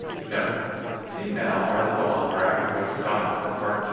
Note. —See now article on "Dragon Ghost gods" in Part II.